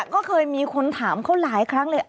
ก็เคยมีคนถามเขาหลายครั้งเลย